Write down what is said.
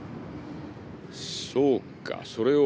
そうかそれを。